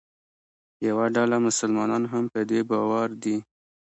یوه ډله مسلمانان هم په دې باور دي.